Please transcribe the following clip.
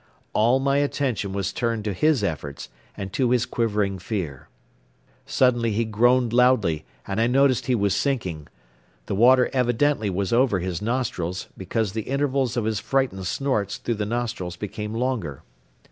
All my attention was turned to his efforts and to his quivering fear. Suddenly he groaned loudly and I noticed he was sinking. The water evidently was over his nostrils, because the intervals of his frightened snorts through the nostrils became longer.